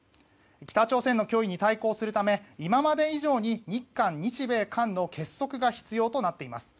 北朝鮮の脅威に対抗するため今まで以上に日韓、日米韓の結束が必要となっています。